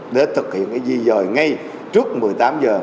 để thực hiện di rời ngay trước một mươi tám h